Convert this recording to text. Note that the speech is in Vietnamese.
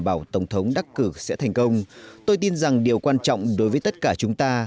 bảo tổng thống đắc cử sẽ thành công tôi tin rằng điều quan trọng đối với tất cả chúng ta